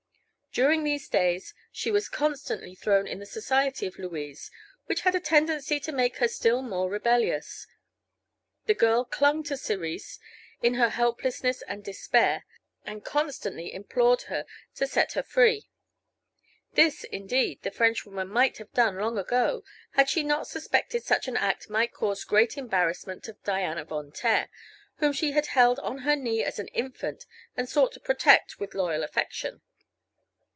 During these days she was constantly thrown in the society of Louise, which had a tendency to make her still more rebellious. The girl clung to Cerise in her helplessness and despair, and constantly implored her to set her free. This, indeed, the Frenchwoman might have done long ago had she not suspected such an act might cause great embarrassment to Diana Von Taer, whom she had held on her knee as an infant and sought to protect with loyal affection.